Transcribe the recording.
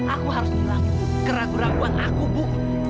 aku harus melakukan keraguan raguan aku bu